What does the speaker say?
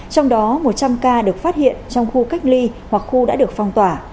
trong đó một trăm linh ca được phát hiện trong khu cách ly hoặc khu đã được phong tỏa